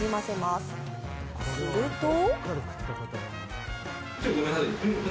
すると。